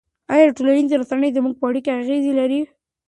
آیا ټولنیزې رسنۍ زموږ په اړیکو اغېز لري؟